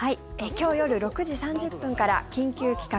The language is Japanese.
今日夜６時３０分から「緊急企画！